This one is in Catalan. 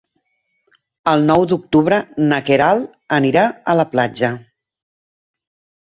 El nou d'octubre na Queralt anirà a la platja.